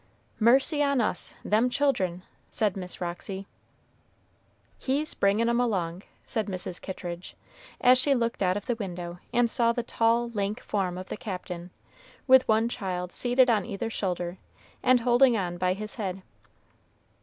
"Mercy on us them children!" said Miss Roxy. "He's bringin' 'em along," said Mrs. Kittridge, as she looked out of the window and saw the tall, lank form of the Captain, with one child seated on either shoulder, and holding on by his head.